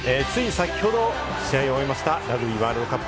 今朝、試合を終えました、ラグビーワールドカップ。